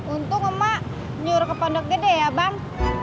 untung emak nyuruh ke pendeknya deh ya bang